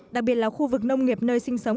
đặc biệt là khu vực nông nghiệp nơi sinh sống